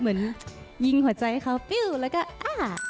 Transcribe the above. เหมือนยิงหัวใจเขาแล้วก็อ๊ะ